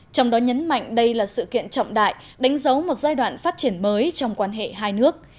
trong đó nhấn mạnh đây là sự kiện trọng đại đánh dấu một giai đoạn phát triển mới trong quan hệ hai nước